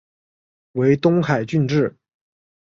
为东海郡治。